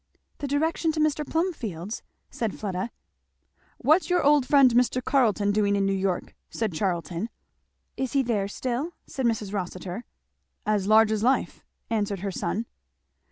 "The direction to Mr. Plumfield's!" said Fleda. "What's your old friend Mr. Carleton doing in New York?" said Charlton. "Is he there still?" said Mrs. Rossitur. "As large as life," answered her son.